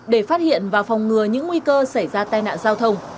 để phát hiện và phòng ngừa những nguy cơ xảy ra tai nạn giao thông